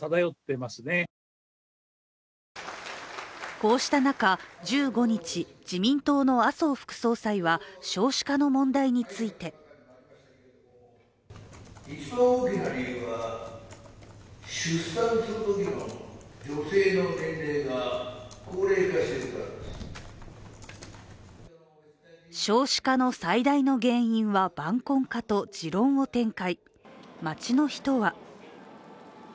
こうした中、１５日、自民党の麻生副総裁は少子化の問題について少子化の最大の原因は晩婚化と持論を展開。